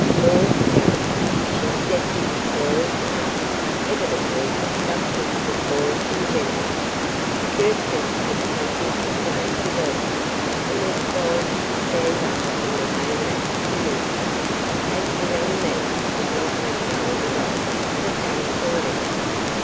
Maud pouted. She stepped into Cora's car, evidently disgusted with boys in general. Gertrude had something to say to Walter, and was obliged to stand up on the hay rack to do so, as the young man would not let go the rope that held the ram.